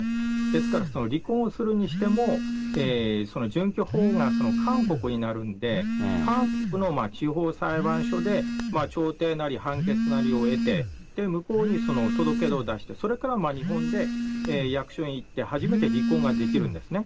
ですから、離婚をするにしても、住居が韓国になるんで、韓国の地方裁判所で調停なり、判決なりを得て、向こうに届け出を出して、それから日本で役所に行って、初めて離婚ができるんですね。